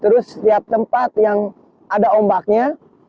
terus setiap tempat yang ada ombaknya